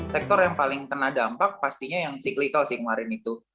sektor yang paling kena dampak pastinya yang cyclical sih kemarin itu